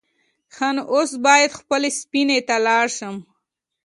_ښه نو، اوس بايد خپلې سفينې ته لاړ شم.